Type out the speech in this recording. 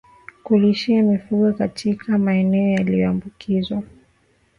Kulishia mifugo katika maeneo yaliyoambukizwa